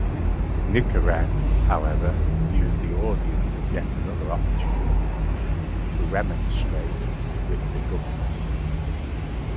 Nichiren, however, used the audience as yet another opportunity to remonstrate with the government.